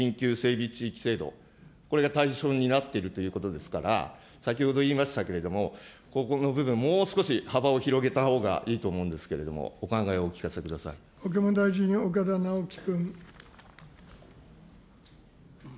岡田大臣、これ、都市再生緊急整備地域制度、これが対象になっているということですから、先ほど言いましたけれども、ここの部分、もう少し幅を広げたほうがいいと思うんですけれども、お考えをお国務大臣、岡田直樹君。